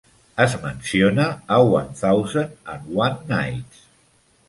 Es menciona a "One Thousand and One Nights".